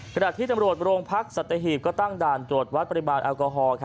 ขณะที่ตำรวจโรงพักสัตหีบก็ตั้งด่านตรวจวัดปริมาณแอลกอฮอล์